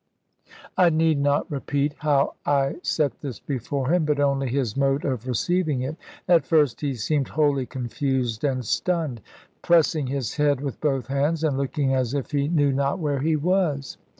I need not repeat how I set this before him, but only his mode of receiving it. At first he seemed wholly confused and stunned, pressing his head with both hands, and looking as if he knew not where he was.